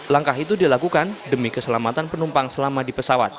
langkah itu dilakukan demi keselamatan penumpang selama di pesawat